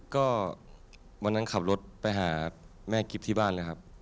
ก็วันนั้นขับรถไปหาแม่กิ๊บที่บ้านเลยครับ